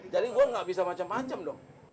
jadi gua gak bisa macem macem dong